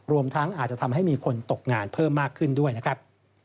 รวมทั้งอาจจะทำให้มีคนตกงานเพิ่มมากขึ้นด้วยนะครับ